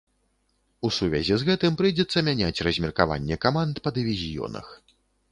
У сувязі з гэтым прыйдзецца мяняць размеркаванне каманд па дывізіёнах.